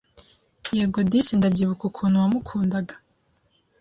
Yego disi ndabyibuka ukuntu wamukundaga